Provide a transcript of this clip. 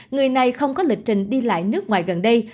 người này không có lịch trình đi lại nước ngoài gần đây